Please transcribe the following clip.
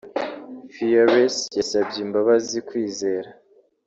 Fearless yasabye imbabazi Kwizera